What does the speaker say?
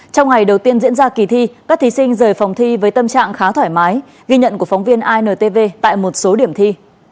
trong ngày đầu tiên diễn ra kỳ thi các thí sinh rời phòng thi với tâm trạng khá thoải mái ghi nhận của phóng viên intv tại một số điểm thi